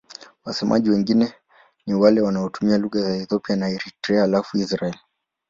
Wasemaji wengine wengi ni wale wanaotumia lugha za Ethiopia na Eritrea halafu Israel.